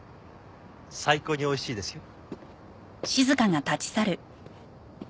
最高においしいですよ。